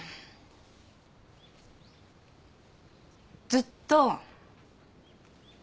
ずっと。